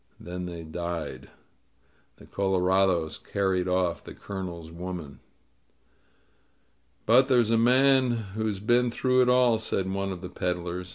Then they died. The colorados carried off the Colonel's woman. ^^But there's a man who's been through it all," said one of the peddlers.